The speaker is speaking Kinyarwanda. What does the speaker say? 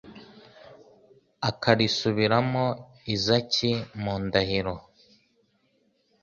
akarisubiriramo Izaki mu ndahiro